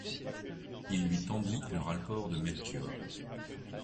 Il lui tendit le rapport de Melchior.